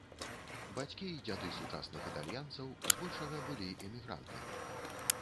Бацькі і дзяды сучасных італьянцаў збольшага былі эмігрантамі.